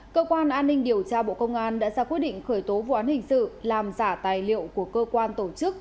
cơ quan an ninh điều tra bộ công an đã ra quyết định khởi tố vụ án hình sự làm giả tài liệu của cơ quan tổ chức